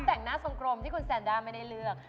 แต่งหน้าทรงกรมที่คุณแซนด้าไม่ได้เลือก